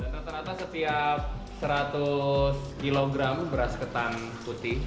dan rata rata setiap seratus kg beras ketan putih